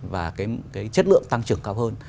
và cái chất lượng tăng trưởng cao hơn